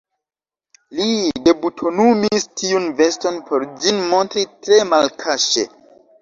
Li debutonumis tiun veston, por ĝin montri tre malkaŝe.